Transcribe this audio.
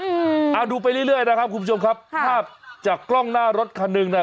อืมอะดูไปเรื่อยนะครับคุณผู้ชมครับถ้าจากกล้องหน้ารถคันนึงน่ะ